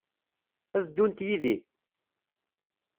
Ad ddunt yid-i?